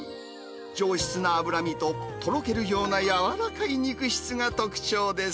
上質な脂身と、とろけるような柔らかい肉質が特徴です。